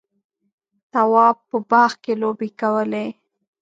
تواب په باغ کې لوبې کولې.